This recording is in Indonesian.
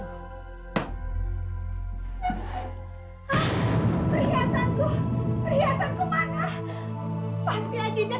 abah abah abah